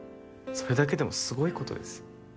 それだけでもすごいことです。